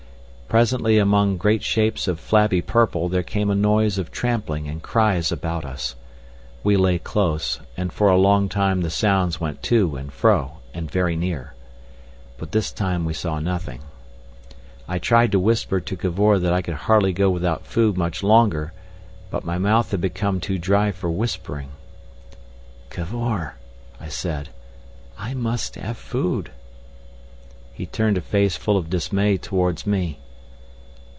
Presently among great shapes of flabby purple there came a noise of trampling and cries about us. We lay close, and for a long time the sounds went to and fro and very near. But this time we saw nothing. I tried to whisper to Cavor that I could hardly go without food much longer, but my mouth had become too dry for whispering. "Cavor," I said, "I must have food." He turned a face full of dismay towards me.